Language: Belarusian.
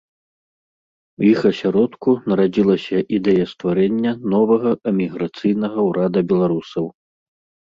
У іх асяродку нарадзілася ідэя стварэння новага эміграцыйнага ўрада беларусаў.